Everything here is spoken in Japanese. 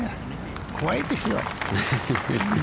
怖いですよ。